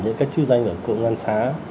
những các chữ danh của cộng an xã